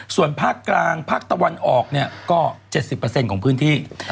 ส่วนภาคกลางภาคตะวันออกเนี่ยก็๗๐ของพื้นที่